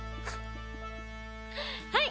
はい！